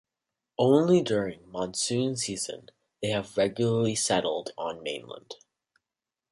Only during monsoon season they have regularly settled on mainland.